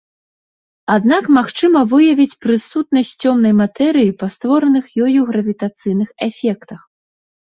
Аднак магчыма выявіць прысутнасць цёмнай матэрыі па створаных ёю гравітацыйных эфектах.